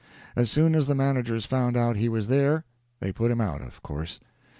As soon as the managers found out he was there, they put him out, of course.